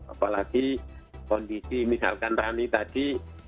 apalagi kondisi misalkan rani tadi